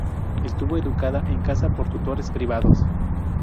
Estuvo educada en casa por tutores privados.